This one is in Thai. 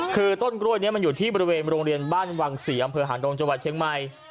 คือต้นกล้วยนี้มันอยู่ที่บริเวณโรงเรียนบ้านวังศรีอำเภอหางดงจังหวัดเชียงใหม่